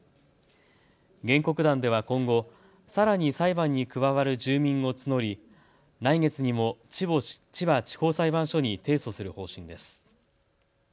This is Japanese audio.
原告団では今後、さらに裁判に加わる住民を募り来月にも千葉地方裁判所に提訴する方針です。